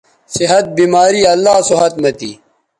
صحت، بیماری اللہ سو ھت مہ تھی